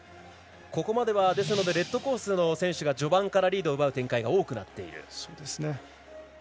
ここまではレッドコースの選手が序盤からリードを奪う展開が多くなっている。